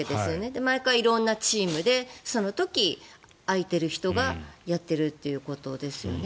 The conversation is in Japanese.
毎回色んなチームでその時空いている人がやっているということですよね。